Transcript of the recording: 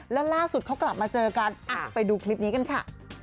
แล้วล่าสุดเขากลับมาเจอกันไปดูคลิปนี้กันค่ะ